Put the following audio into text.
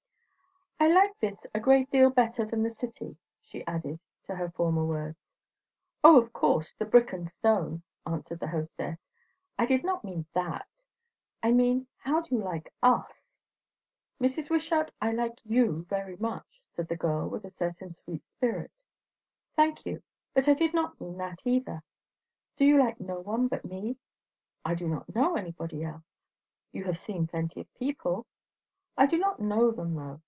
"I like this a great deal better than the city," she added to her former words. "O, of course, the brick and stone!" answered her hostess. "I did not mean that. I mean, how do you like us?" "Mrs. Wishart, I like you very much," said the girl with a certain sweet spirit. "Thank you! but I did not mean that either. Do you like no one but me?" "I do not know anybody else." "You have seen plenty of people." "I do not know them, though.